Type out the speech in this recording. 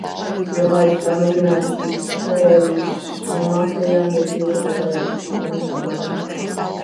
Vienlaikus samazinās pirktspēja arī visslimākajai iedzīvotāju daļai, tas ir, pensionāriem.